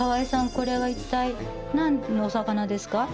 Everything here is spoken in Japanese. これは一体何の魚ですか？